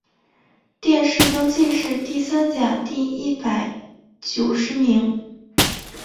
殿试登进士第三甲第一百九十名。